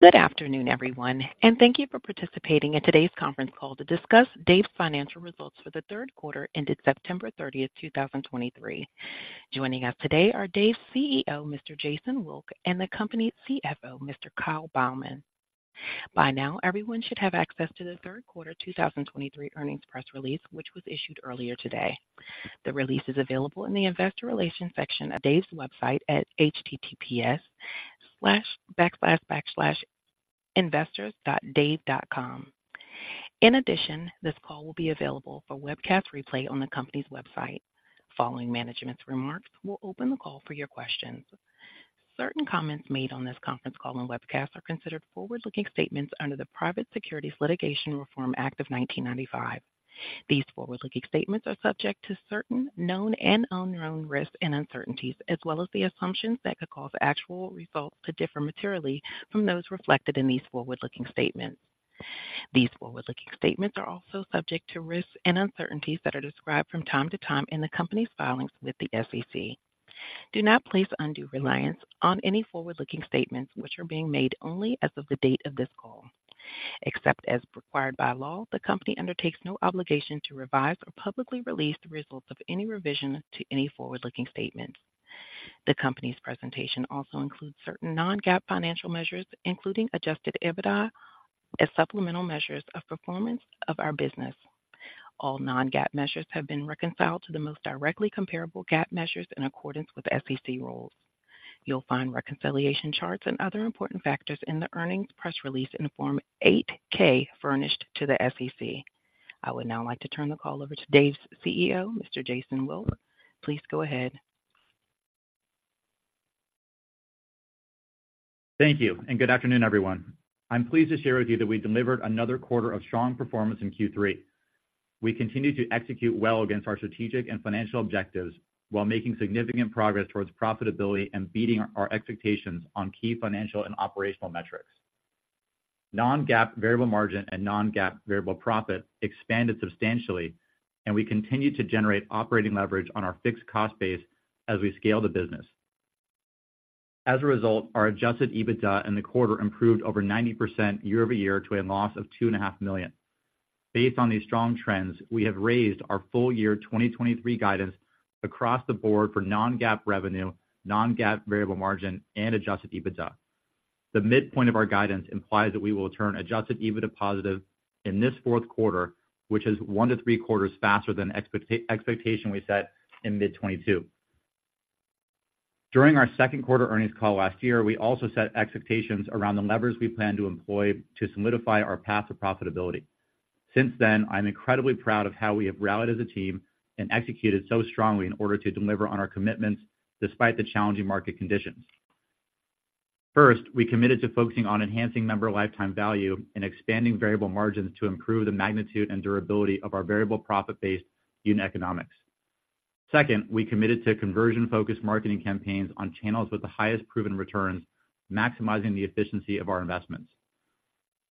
Good afternoon, everyone, and thank you for participating in today's conference call to discuss Dave's financial results for the third quarter ended September 30, 2023. Joining us today are Dave's CEO, Mr. Jason Wilk, and the company's CFO, Mr. Kyle Beilman. By now, everyone should have access to the third quarter 2023 earnings press release, which was issued earlier today. The release is available in the investor relations section of Dave's website at https://investors.dave.com. In addition, this call will be available for webcast replay on the company's website. Following management's remarks, we'll open the call for your questions. Certain comments made on this conference call and webcast are considered forward-looking statements under the Private Securities Litigation Reform Act of 1995. These forward-looking statements are subject to certain known and unknown risks and uncertainties, as well as the assumptions that could cause actual results to differ materially from those reflected in these forward-looking statements. These forward-looking statements are also subject to risks and uncertainties that are described from time to time in the company's filings with the SEC. Do not place undue reliance on any forward-looking statements, which are being made only as of the date of this call. Except as required by law, the company undertakes no obligation to revise or publicly release the results of any revision to any forward-looking statements. The company's presentation also includes certain non-GAAP financial measures, including adjusted EBITDA, as supplemental measures of performance of our business. All non-GAAP measures have been reconciled to the most directly comparable GAAP measures in accordance with SEC rules. You'll find reconciliation charts and other important factors in the earnings press release in the Form 8-K furnished to the SEC. I would now like to turn the call over to Dave's CEO, Mr. Jason Wilk. Please go ahead. Thank you, and good afternoon, everyone. I'm pleased to share with you that we delivered another quarter of strong performance in Q3. We continued to execute well against our strategic and financial objectives while making significant progress towards profitability and beating our expectations on key financial and operational metrics. Non-GAAP variable margin and non-GAAP variable profit expanded substantially, and we continued to generate operating leverage on our fixed cost base as we scale the business. As a result, our adjusted EBITDA in the quarter improved over 90% year-over-year to a loss of $2.5 million. Based on these strong trends, we have raised our full year 2023 guidance across the board for non-GAAP revenue, non-GAAP variable margin, and adjusted EBITDA. The midpoint of our guidance implies that we will turn adjusted EBITDA positive in this fourth quarter, which is one to three quarters faster than expectation we set in mid-2022. During our second quarter earnings call last year, we also set expectations around the levers we plan to employ to solidify our path to profitability. Since then, I'm incredibly proud of how we have rallied as a team and executed so strongly in order to deliver on our commitments despite the challenging market conditions. First, we committed to focusing on enhancing member lifetime value and expanding variable margins to improve the magnitude and durability of our variable profit-based unit economics. Second, we committed to conversion-focused marketing campaigns on channels with the highest proven returns, maximizing the efficiency of our investments.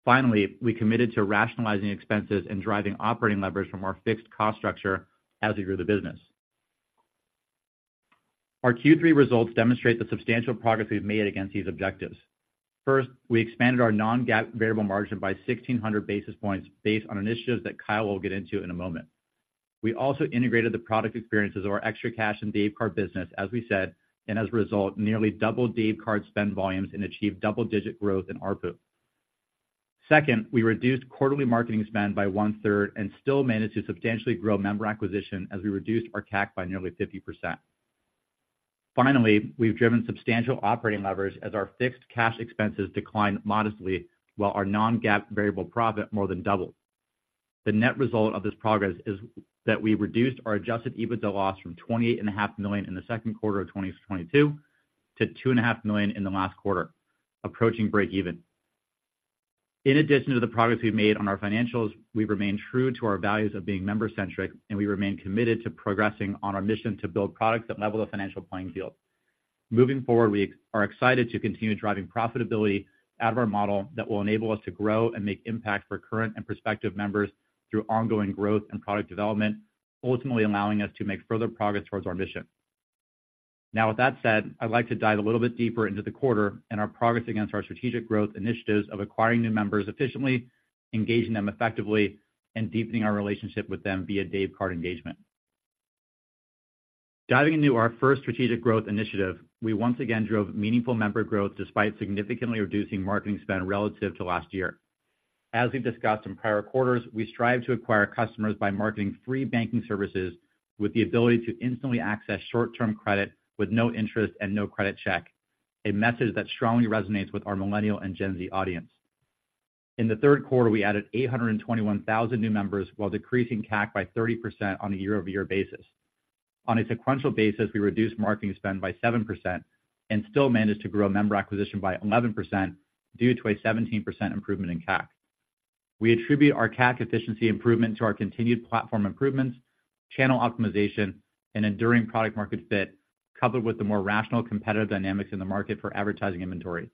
Finally, we committed to rationalizing expenses and driving operating leverage from our fixed cost structure as we grew the business. Our Q3 results demonstrate the substantial progress we've made against these objectives. First, we expanded our non-GAAP variable margin by 1,600 basis points based on initiatives that Kyle will get into in a moment. We also integrated the product experiences of our ExtraCash and Dave Card business, as we said, and as a result, nearly doubled Dave Card spend volumes and achieved double-digit growth in ARPU. Second, we reduced quarterly marketing spend by one-third and still managed to substantially grow member acquisition as we reduced our CAC by nearly 50%. Finally, we've driven substantial operating leverage as our fixed cash expenses declined modestly, while our non-GAAP variable profit more than doubled. The net result of this progress is that we reduced our adjusted EBITDA loss from $28.5 million in the second quarter of 2022-$2.5 million in the last quarter, approaching breakeven. In addition to the progress we've made on our financials, we've remained true to our values of being member-centric, and we remain committed to progressing on our mission to build products that level the financial playing field. Moving forward, we are excited to continue driving profitability out of our model that will enable us to grow and make impact for current and prospective members through ongoing growth and product development, ultimately allowing us to make further progress towards our mission. Now, with that said, I'd like to dive a little bit deeper into the quarter and our progress against our strategic growth initiatives of acquiring new members efficiently, engaging them effectively, and deepening our relationship with them via Dave Card engagement. Diving into our first strategic growth initiative, we once again drove meaningful member growth despite significantly reducing marketing spend relative to last year. As we've discussed in prior quarters, we strive to acquire customers by marketing free banking services with the ability to instantly access short-term credit with no interest and no credit check, a message that strongly resonates with our millennial and Gen Z audience. In the third quarter, we added 821,000 new members while decreasing CAC by 30% on a year-over-year basis. On a sequential basis, we reduced marketing spend by 7% and still managed to grow member acquisition by 11% due to a 17% improvement in CAC. We attribute our CAC efficiency improvement to our continued platform improvements, channel optimization, and enduring product market fit, coupled with the more rational competitive dynamics in the market for advertising inventory.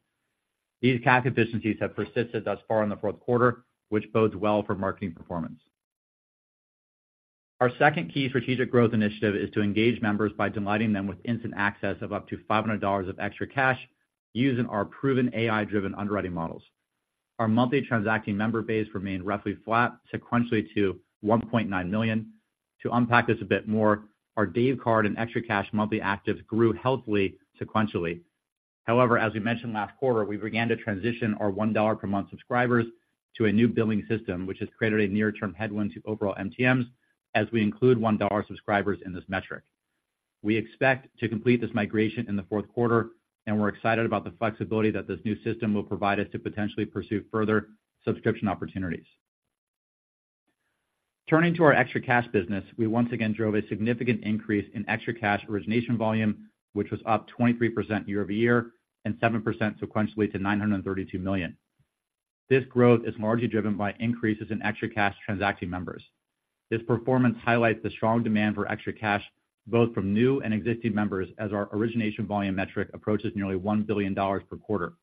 These CAC efficiencies have persisted thus far in the fourth quarter, which bodes well for marketing performance. Our second key strategic growth initiative is to engage members by delighting them with instant access of up to $500 of ExtraCash using our proven AI-driven underwriting models. Our monthly transacting member base remained roughly flat sequentially to 1.9 million. To unpack this a bit more, our Dave Card and ExtraCash monthly actives grew healthily sequentially. However, as we mentioned last quarter, we began to transition our $1 per month subscribers to a new billing system, which has created a near-term headwind to overall MTMs as we include $1 subscribers in this metric. We expect to complete this migration in the fourth quarter, and we're excited about the flexibility that this new system will provide us to potentially pursue further subscription opportunities. Turning to our ExtraCash business, we once again drove a significant increase in ExtraCash origination volume, which was up 23% year-over-year and 7% sequentially to $932 million. This growth is largely driven by increases in ExtraCash transacting members. This performance highlights the strong demand for ExtraCash, both from new and existing members, as our origination volume metric approaches nearly $1 billion per quarter.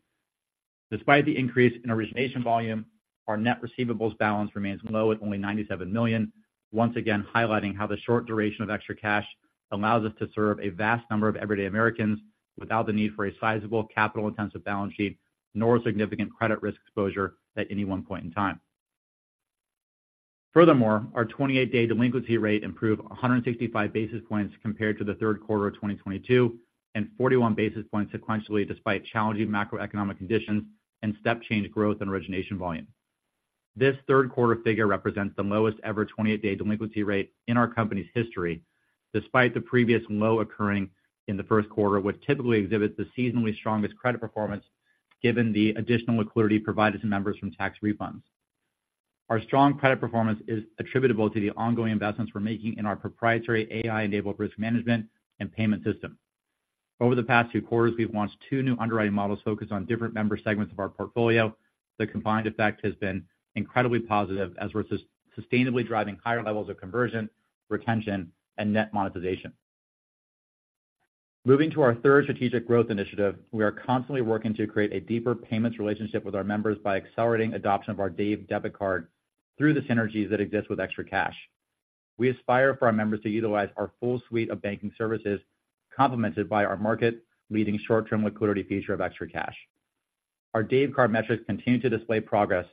Despite the increase in origination volume, our net receivables balance remains low at only $97 million, once again highlighting how the short duration of ExtraCash allows us to serve a vast number of everyday Americans without the need for a sizable, capital-intensive balance sheet, nor a significant credit risk exposure at any one point in time. Furthermore, our 28-day delinquency rate improved 165 basis points compared to the third quarter of 2022, and 41 basis points sequentially, despite challenging macroeconomic conditions and step change growth in origination volume. This third quarter figure represents the lowest-ever 28-day delinquency rate in our company's history, despite the previous low occurring in the first quarter, which typically exhibits the seasonally strongest credit performance, given the additional liquidity provided to members from CAC refunds. Our strong credit performance is attributable to the ongoing investments we're making in our proprietary AI-enabled risk management and payment system. Over the past two quarters, we've launched two new underwriting models focused on different member segments of our portfolio. The combined effect has been incredibly positive as we're sustainably driving higher levels of conversion, retention, and net monetization. Moving to our third strategic growth initiative, we are constantly working to create a deeper payments relationship with our members by accelerating adoption of our Dave Card through the synergies that exist with Extra Cash. We aspire for our members to utilize our full suite of banking services, complemented by our market-leading short-term liquidity feature of Extra Cash. Our Dave Card metrics continue to display progress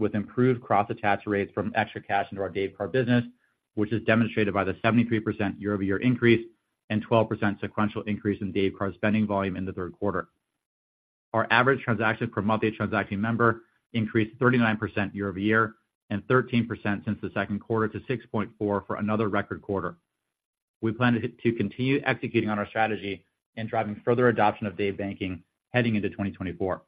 with improved cross-attach rates from ExtraCash into our Dave Card business, which is demonstrated by the 73% year-over-year increase and 12% sequential increase in Dave Card spending volume in the third quarter. Our average transaction per monthly transacting member increased 39% year-over-year and 13% since the second quarter to 6.4 for another record quarter. We plan to continue executing on our strategy and driving further adoption of Dave Banking heading into 2024.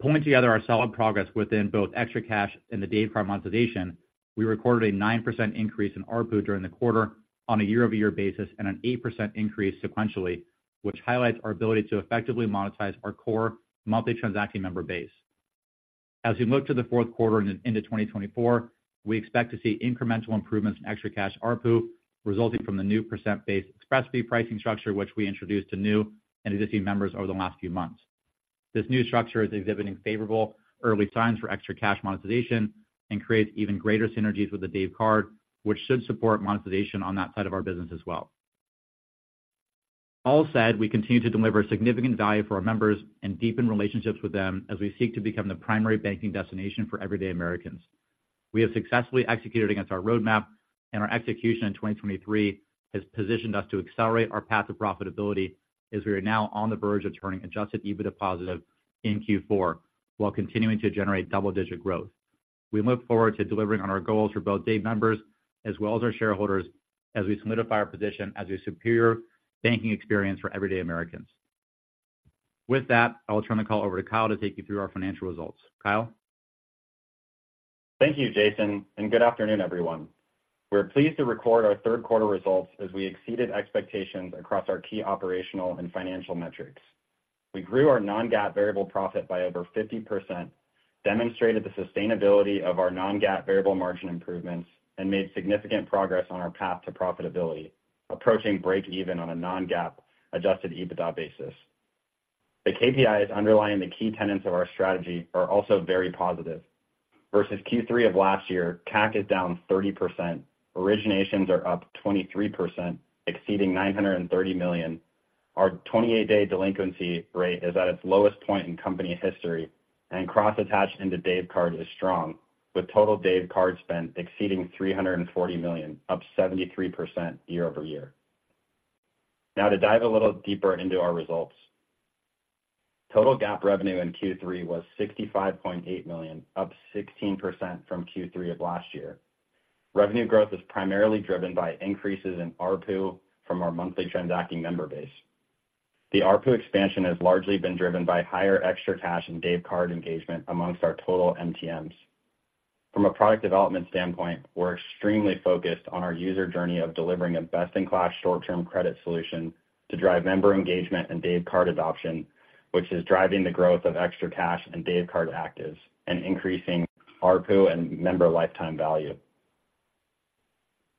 Pulling together our solid progress within both ExtraCash and the Dave Card monetization, we recorded a 9% increase in ARPU during the quarter on a year-over-year basis and an 8% increase sequentially, which highlights our ability to effectively monetize our core monthly transacting member base. As we look to the fourth quarter and into 2024, we expect to see incremental improvements in ExtraCash ARPU, resulting from the new percent-based express fee pricing structure, which we introduced to new and existing members over the last few months. This new structure is exhibiting favorable early signs for ExtraCash monetization and creates even greater synergies with the Dave Card, which should support monetization on that side of our business as well. All said, we continue to deliver significant value for our members and deepen relationships with them as we seek to become the primary banking destination for everyday Americans. We have successfully executed against our roadmap, and our execution in 2023 has positioned us to accelerate our path to profitability as we are now on the verge of turning adjusted EBITDA positive in Q4, while continuing to generate double-digit growth. We look forward to delivering on our goals for both Dave members as well as our shareholders, as we solidify our position as a superior banking experience for everyday Americans. With that, I'll turn the call over to Kyle to take you through our financial results. Kyle? Thank you, Jason, and good afternoon, everyone. We're pleased to record our third quarter results as we exceeded expectations across our key operational and financial metrics. We grew our non-GAAP variable profit by over 50%, demonstrated the sustainability of our non-GAAP variable margin improvements, and made significant progress on our path to profitability, approaching break-even on a non-GAAP adjusted EBITDA basis. The KPIs underlying the key tenets of our strategy are also very positive. Versus Q3 of last year, CAC is down 30%. Originations are up 23%, exceeding $930 million. Our 28-day delinquency rate is at its lowest point in company history, and cross-attach into Dave Card is strong, with total Dave Card spend exceeding $340 million, up 73% year-over-year. Now, to dive a little deeper into our results. Total GAAP revenue in Q3 was $65.8 million, up 16% from Q3 of last year. Revenue growth is primarily driven by increases in ARPU from our monthly transacting member base. The ARPU expansion has largely been driven by higher extra cash and Dave card engagement amongst our total MTMs. From a product development standpoint, we're extremely focused on our user journey of delivering a best-in-class short-term credit solution to drive member engagement and Dave card adoption, which is driving the growth of extra cash and Dave card actives and increasing ARPU and member lifetime value....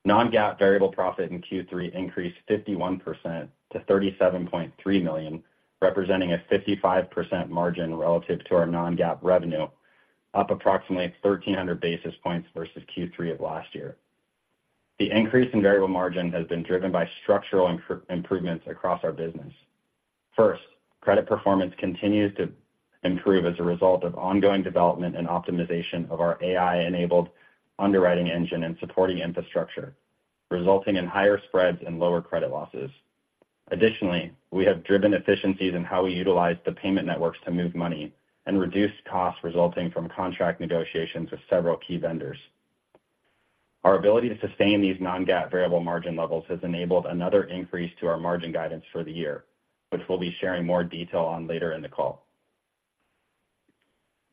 Non-GAAP variable profit in Q3 increased 51% to $37.3 million, representing a 55% margin relative to our non-GAAP revenue, up approximately 1,300 basis points versus Q3 of last year. The increase in variable margin has been driven by structural improvements across our business. First, credit performance continues to improve as a result of ongoing development and optimization of our AI-enabled underwriting engine and supporting infrastructure, resulting in higher spreads and lower credit losses. Additionally, we have driven efficiencies in how we utilize the payment networks to move money and reduce costs resulting from contract negotiations with several key vendors. Our ability to sustain these non-GAAP variable margin levels has enabled another increase to our margin guidance for the year, which we'll be sharing more detail on later in the call.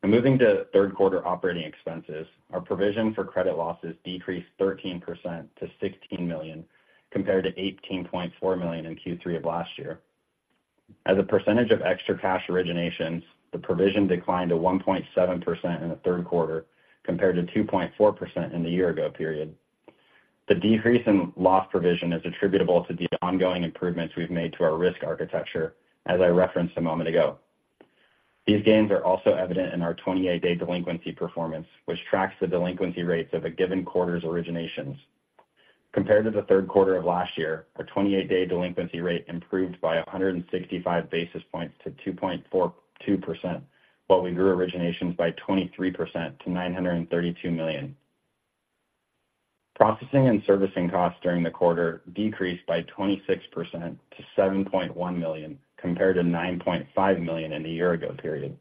Now, moving to third quarter operating expenses, our provision for credit losses decreased 13% to $16 million, compared to $18.4 million in Q3 of last year. As a percentage of ExtraCash originations, the provision declined to 1.7% in the third quarter, compared to 2.4% in the year ago period. The decrease in loss provision is attributable to the ongoing improvements we've made to our risk architecture, as I referenced a moment ago. These gains are also evident in our 28-day delinquency performance, which tracks the delinquency rates of a given quarter's originations. Compared to the third quarter of last year, our 28-day delinquency rate improved by 165 basis points to 2.42%, while we grew originations by 23% to $932 million. Processing and servicing costs during the quarter decreased by 26% to $7.1 million, compared to $9.5 million in the year ago period.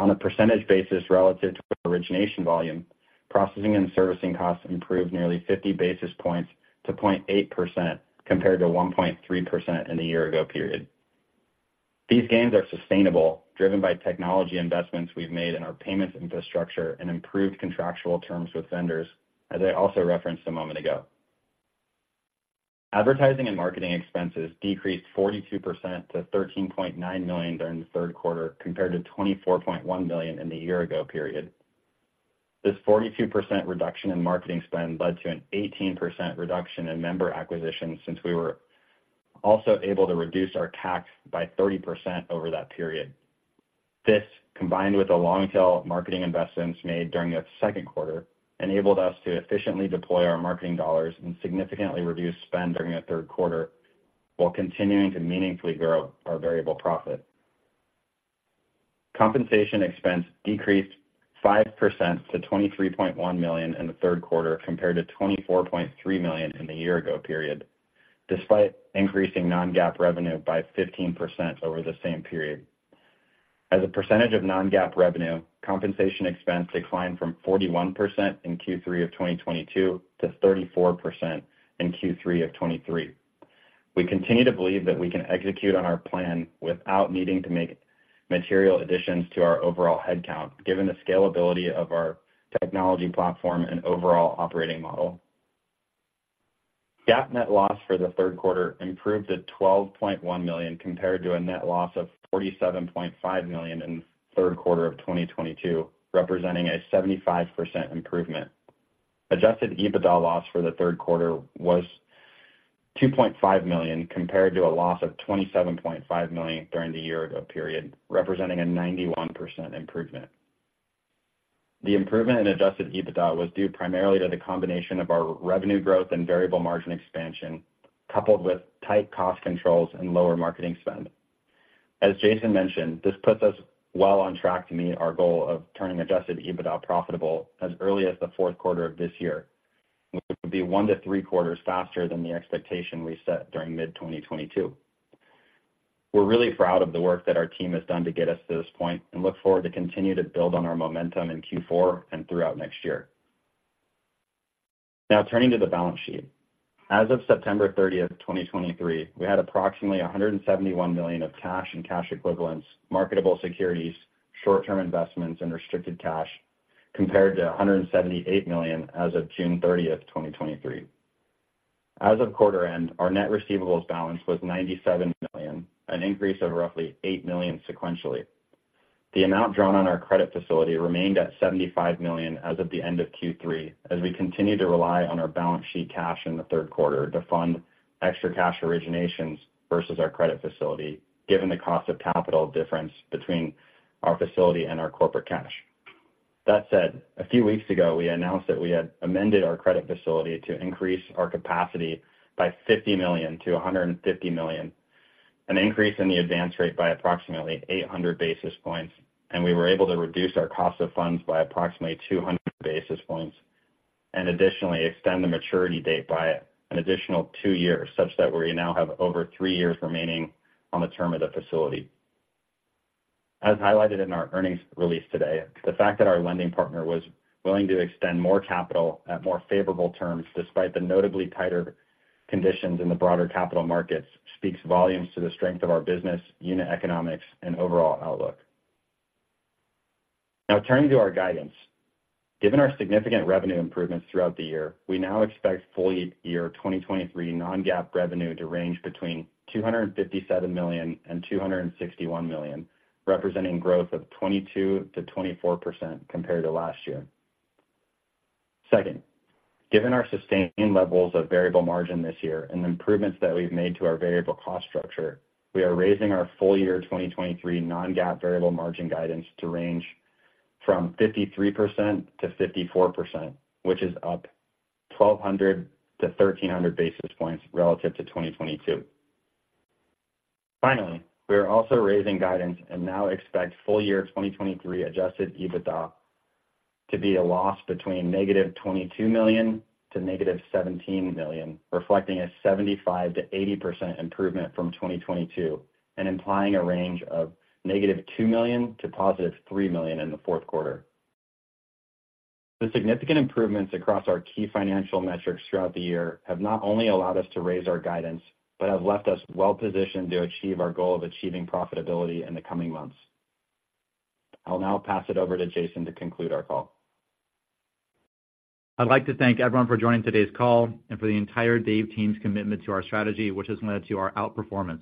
On a percentage basis, relative to origination volume, processing and servicing costs improved nearly 50 basis points to 0.8%, compared to 1.3% in the year ago period. These gains are sustainable, driven by technology investments we've made in our payments infrastructure and improved contractual terms with vendors, as I also referenced a moment ago. Advertising and marketing expenses decreased 42% to $13.9 million during the third quarter, compared to $24.1 million in the year ago period. This 42% reduction in marketing spend led to an 18% reduction in member acquisition since we were also able to reduce our CAC by 30% over that period. This, combined with the long tail marketing investments made during the second quarter, enabled us to efficiently deploy our marketing dollars and significantly reduce spend during the third quarter, while continuing to meaningfully grow our variable profit. Compensation expense decreased 5% to $23.1 million in the third quarter, compared to $24.3 million in the year ago period, despite increasing non-GAAP revenue by 15% over the same period. As a percentage of non-GAAP revenue, compensation expense declined from 41% in Q3 of 2022 to 34% in Q3 of 2023. We continue to believe that we can execute on our plan without needing to make material additions to our overall headcount, given the scalability of our technology platform and overall operating model. GAAP net loss for the third quarter improved to $12.1 million, compared to a net loss of $47.5 million in third quarter of 2022, representing a 75% improvement. Adjusted EBITDA loss for the third quarter was $2.5 million, compared to a loss of $27.5 million during the year ago period, representing a 91% improvement. The improvement in adjusted EBITDA was due primarily to the combination of our revenue growth and variable margin expansion, coupled with tight cost controls and lower marketing spend. As Jason mentioned, this puts us well on track to meet our goal of turning adjusted EBITDA profitable as early as the fourth quarter of this year, which would be 1-3 quarters faster than the expectation we set during mid-2022. We're really proud of the work that our team has done to get us to this point and look forward to continue to build on our momentum in Q4 and throughout next year. Now, turning to the balance sheet. As of September 30, 2023, we had approximately $171 million of cash and cash equivalents, marketable securities, short-term investments, and restricted cash, compared to $178 million as of June 30, 2023. As of quarter end, our net receivables balance was $97 million, an increase of roughly $8 million sequentially. The amount drawn on our credit facility remained at $75 million as of the end of Q3, as we continued to rely on our balance sheet cash in the third quarter to fund ExtraCash originations versus our credit facility, given the cost of capital difference between our facility and our corporate cash. That said, a few weeks ago, we announced that we had amended our credit facility to increase our capacity by $50 million to $150 million, an increase in the advance rate by approximately 800 basis points, and we were able to reduce our cost of funds by approximately 200 basis points, and additionally, extend the maturity date by an additional 2 years, such that we now have over 3 years remaining on the term of the facility. As highlighted in our earnings release today, the fact that our lending partner was willing to extend more capital at more favorable terms, despite the notably tighter conditions in the broader capital markets, speaks volumes to the strength of our business, unit economics, and overall outlook. Now, turning to our guidance. Given our significant revenue improvements throughout the year, we now expect full year 2023 non-GAAP revenue to range between $257 million and $261 million, representing growth of 22%-24% compared to last year. Second, given our sustained levels of variable margin this year and the improvements that we've made to our variable cost structure, we are raising our full year 2023 non-GAAP variable margin guidance to range from 53%-54%, which is up 1,200-1,300 basis points relative to 2022. Finally, we are also raising guidance and now expect full year 2023 adjusted EBITDA to be a loss between -$22 million and -$17 million, reflecting a 75%-80% improvement from 2022 and implying a range of -$2 million to $3 million in the fourth quarter. The significant improvements across our key financial metrics throughout the year have not only allowed us to raise our guidance, but have left us well positioned to achieve our goal of achieving profitability in the coming months. I'll now pass it over to Jason to conclude our call. I'd like to thank everyone for joining today's call and for the entire Dave team's commitment to our strategy, which has led to our outperformance.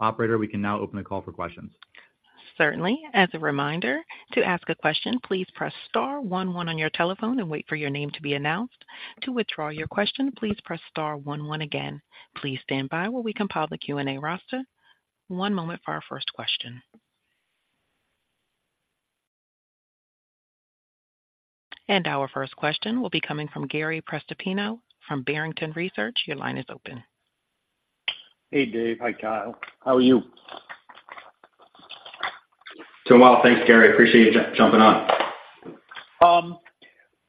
Operator, we can now open the call for questions. Certainly. As a reminder, to ask a question, please press star one one on your telephone and wait for your name to be announced. To withdraw your question, please press star one one again. Please stand by while we compile the Q&A roster. One moment for our first question. Our first question will be coming from Gary Prestopino from Barrington Research. Your line is open. Hey, Dave. Hi, Kyle. How are you? Doing well. Thanks, Gary. Appreciate you jumping on.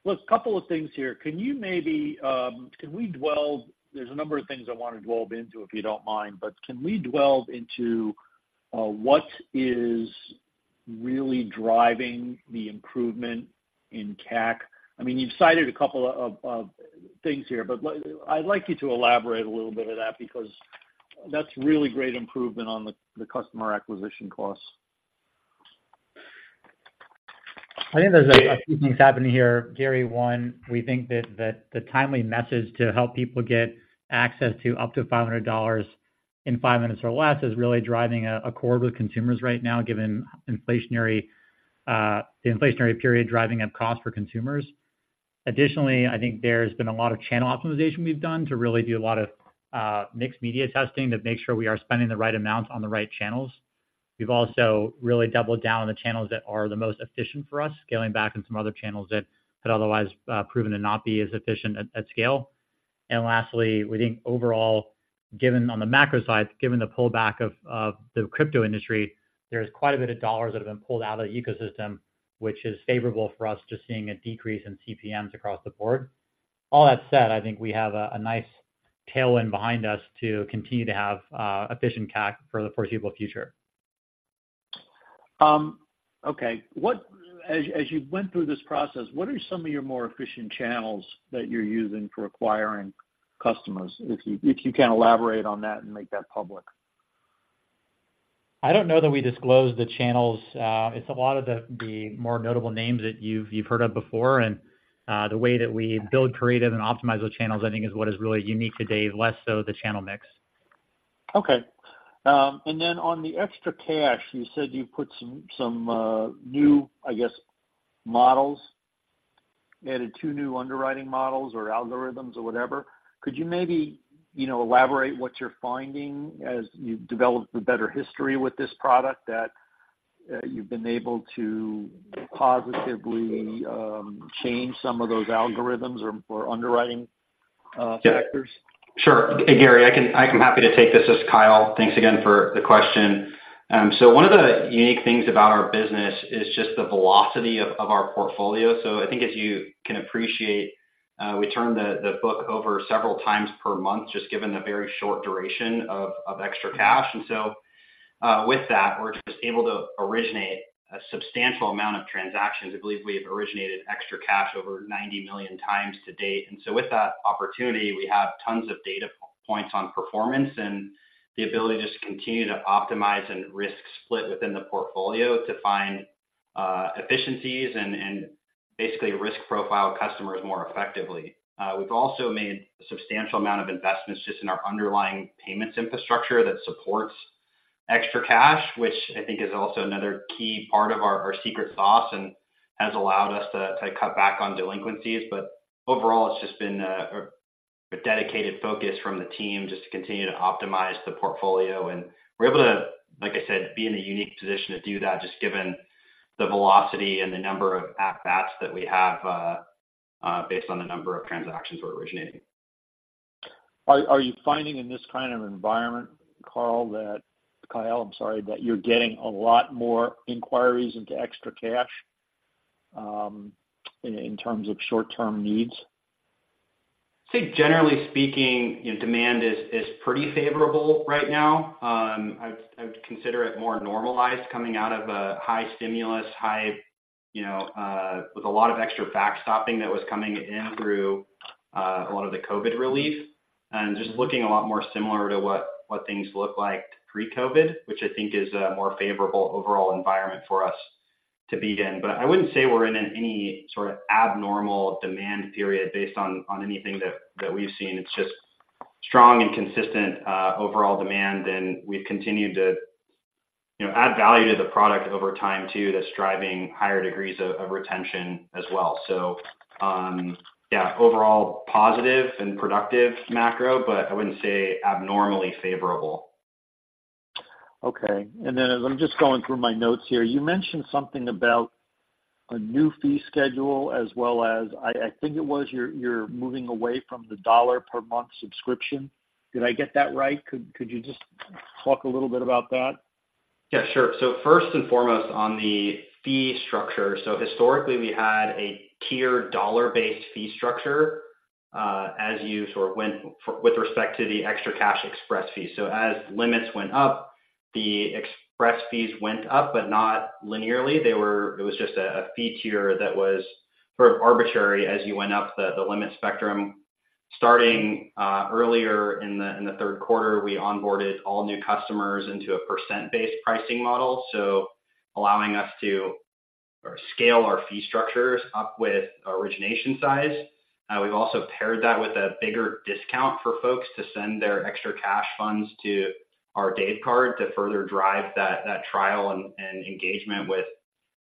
Look, couple of things here. Can you maybe—there's a number of things I want to delve into, if you don't mind, but can we delve into what is really driving the improvement in CAC? I mean, you've cited a couple of things here, but I'd like you to elaborate a little bit of that, because that's really great improvement on the customer acquisition costs. I think there's a few things happening here, Gary. One, we think that the timely message to help people get access to up to $500 in five minutes or less is really driving a chord with consumers right now, given inflationary, the inflationary period driving up costs for consumers. Additionally, I think there's been a lot of channel optimization we've done to really do a lot of, mixed media testing to make sure we are spending the right amount on the right channels. We've also really doubled down on the channels that are the most efficient for us, scaling back on some other channels that had otherwise, proven to not be as efficient at, at scale. And lastly, we think overall, given on the macro side, given the pullback of, of the crypto industry, there's quite a bit of dollars that have been pulled out of the ecosystem, which is favorable for us to seeing a decrease in CPMs across the board. All that said, I think we have a, a nice tailwind behind us to continue to have efficient CAC for the foreseeable future. Okay. What, as you went through this process, what are some of your more efficient channels that you're using for acquiring customers, if you can elaborate on that and make that public? I don't know that we disclose the channels. It's a lot of the more notable names that you've heard of before. And the way that we build creative and optimize those channels, I think, is what is really unique to Dave, less so the channel mix. Okay. And then on the ExtraCash, you said you put some new, I guess, models, added 2 new underwriting models or algorithms or whatever. Could you maybe, you know, elaborate what you're finding as you've developed the better history with this product, that you've been able to positively change some of those algorithms or for underwriting factors? Sure. Gary, I can—I'm happy to take this. This is Kyle. Thanks again for the question. So one of the unique things about our business is just the velocity of our portfolio. So I think as you can appreciate, we turn the book over several times per month, just given the very short duration of ExtraCash. And so with that, we're just able to originate a substantial amount of transactions. I believe we have originated ExtraCash over 90 million times to date. And so with that opportunity, we have tons of data points on performance and the ability just to continue to optimize and risk split within the portfolio to find efficiencies and basically risk profile customers more effectively. We've also made a substantial amount of investments just in our underlying payments infrastructure that supports ExtraCash, which I think is also another key part of our secret sauce and has allowed us to cut back on delinquencies. But overall, it's just been a dedicated focus from the team just to continue to optimize the portfolio. And we're able to, like I said, be in a unique position to do that, just given the velocity and the number of at-bats that we have, based on the number of transactions we're originating. Are you finding in this kind of environment, Carl, that... Kyle, I'm sorry, that you're getting a lot more inquiries into ExtraCash, in terms of short-term needs? I think generally speaking, you know, demand is pretty favorable right now. I'd consider it more normalized coming out of a high stimulus, high, you know, with a lot of extra backstopping that was coming in through a lot of the COVID relief, and just looking a lot more similar to what things looked like pre-COVID, which I think is a more favorable overall environment for us to be in. But I wouldn't say we're in any sort of abnormal demand period based on anything that we've seen. It's just strong and consistent overall demand, and we've continued to, you know, add value to the product over time, too. That's driving higher degrees of retention as well. So, yeah, overall positive and productive macro, but I wouldn't say abnormally favorable. Okay. And then as I'm just going through my notes here, you mentioned something about a new fee schedule as well as I think it was you're moving away from the $1 per month subscription. Did I get that right? Could you just talk a little bit about that? Yeah, sure. So first and foremost, on the fee structure. So historically, we had a tier dollar-based fee structure, as you sort of went with respect to the ExtraCash express fee. So as limits went up, the express fees went up, but not linearly. It was just a fee tied that was sort of arbitrary as you went up the limit spectrum. Starting earlier in the third quarter, we onboarded all new customers into a percent-based pricing model, so allowing us to scale our fee structures up with origination size. We've also paired that with a bigger discount for folks to send their ExtraCash funds to our Dave Card to further drive that trial and engagement with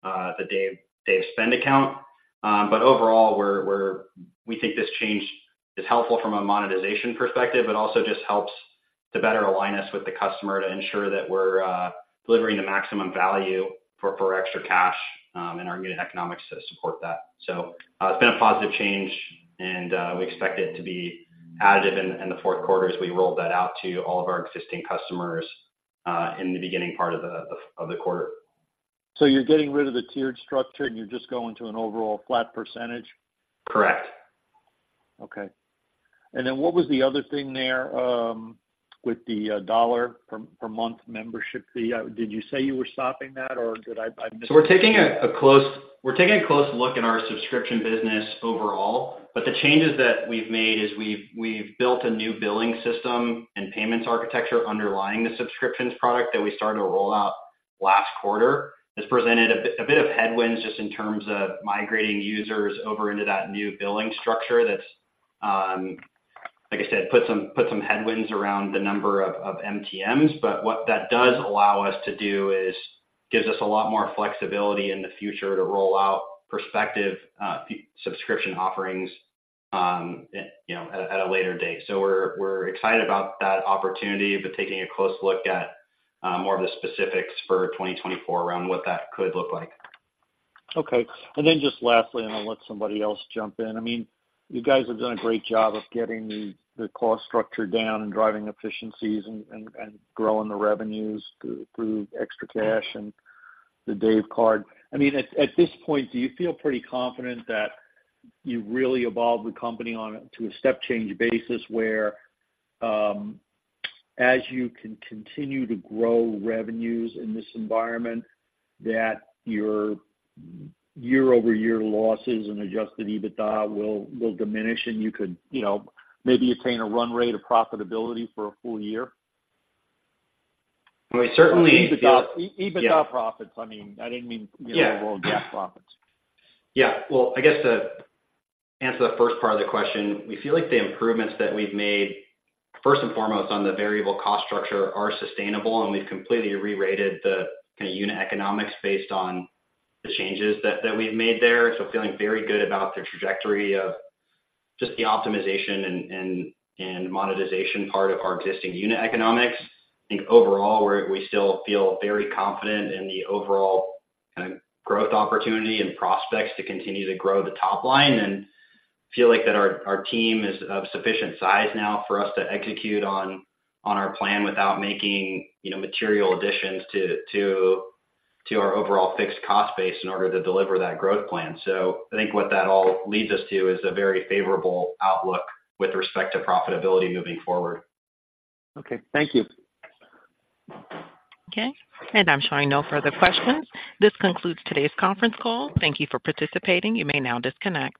the Dave Spend account. But overall, we're. We think this change is helpful from a monetization perspective, but also just helps to better align us with the customer to ensure that we're delivering the maximum value for ExtraCash and our unit economics to support that. So, it's been a positive change, and we expect it to be additive in the fourth quarter as we roll that out to all of our existing customers in the beginning part of the quarter. So you're getting rid of the tiered structure, and you're just going to an overall flat percentage? Correct. Okay. And then what was the other thing there, with the $1 per month membership fee? Did you say you were stopping that, or did I miss? So we're taking a close look at our subscription business overall, but the changes that we've made is we've built a new billing system and payments architecture underlying the subscriptions product that we started to roll out last quarter. This presented a bit of headwinds just in terms of migrating users over into that new billing structure that's like I said put some headwinds around the number of MTMs. But what that does allow us to do is gives us a lot more flexibility in the future to roll out prospective subscription offerings you know at a later date. So we're excited about that opportunity, but taking a close look at more of the specifics for 2024 around what that could look like. Okay. And then just lastly, and I'll let somebody else jump in. I mean, you guys have done a great job of getting the cost structure down and driving efficiencies and growing the revenues through ExtraCash and the Dave Card. I mean, at this point, do you feel pretty confident that you've really evolved the company on a to a step-change basis, where as you can continue to grow revenues in this environment, that your year-over-year losses and adjusted EBITDA will diminish, and you could, you know, maybe attain a run rate of profitability for a full year? We certainly- EBITDA, EBITDA profits. Yeah. I mean, I didn't mean- Yeah. Your overall GAAP profits. Yeah. Well, I guess to answer the first part of the question, we feel like the improvements that we've made, first and foremost, on the variable cost structure, are sustainable, and we've completely rerated the kind of unit economics based on the changes that we've made there. So feeling very good about the trajectory of just the optimization and monetization part of our existing unit economics. I think overall, we still feel very confident in the overall kind of growth opportunity and prospects to continue to grow the top line, and feel like that our team is of sufficient size now for us to execute on our plan without making, you know, material additions to our overall fixed cost base in order to deliver that growth plan. I think what that all leads us to is a very favorable outlook with respect to profitability moving forward. Okay, thank you. Okay, and I'm showing no further questions. This concludes today's conference call. Thank you for participating. You may now disconnect.